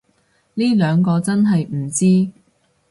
呢兩個真係唔知